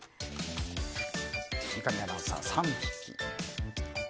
三上アナウンサー３匹。